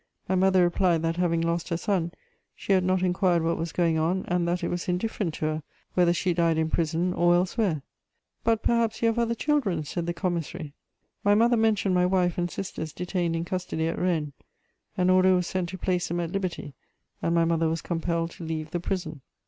My mother replied that, having lost her son, she had not inquired what was going on, and that it was indifferent to her whether she died in prison or elsewhere. "But perhaps you have other children?" said the commissary. [Sidenote: Release of my mother.] My mother mentioned my wife and sisters detained in custody at Rennes. An order was sent to place them at liberty, and my mother was compelled to leave the prison.